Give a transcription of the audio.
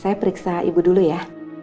saya periksa ibu dulu ya